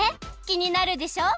きになるでしょう！